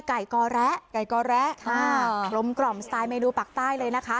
ไก่กอแร้ไก่กอแร้ค่ะกลมกล่อมสไตล์เมนูปากใต้เลยนะคะ